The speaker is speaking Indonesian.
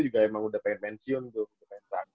juga emang udah pengen pensiun tuh kemenang